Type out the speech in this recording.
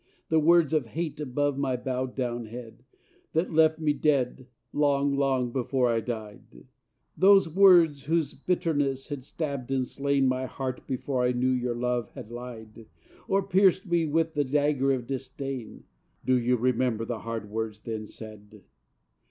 The words of hate above my bowed down head, That left me dead, long, long before I died: Those words, whose bitterness had stabbed and slain My heart before I knew your love had lied, Or pierced me with the dagger of disdain. Do you remember the hard words then said?